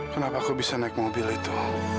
kenapa aku bisa naik mobil itu